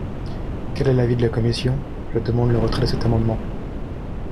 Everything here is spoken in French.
Quel est l’avis de la commission ? Je demande le retrait de cet amendement.